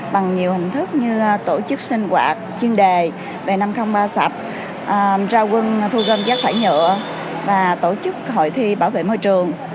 bằng nhiều hình thức như tổ chức sinh quạt chuyên đề b năm trăm linh ba sạch rao quân thu gâm rác thải nhựa và tổ chức hội thi bảo vệ môi trường